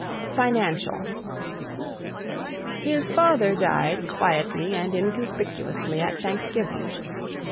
FINANCIAL His father died quietly and inconspicuously at Thanksgiving.